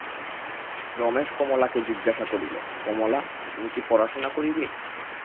রমেশ কমলাকে জিজ্ঞাসা করিল, কমলা, তুমি পড়াশুনা করিবে?